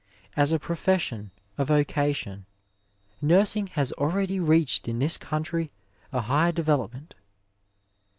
As a profession, a vocation, nursing has already reached in this country a high develop ment.